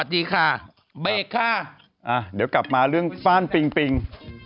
เดี๋ยวกลับมาเรื่องฟ่านปิ่ง